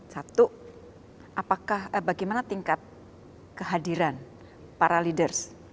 satu apakah bagaimana tingkat kehadiran para leaders